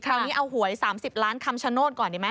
คราวนี้เอาหวย๓๐ล้านคำชโนธก่อนดีไหม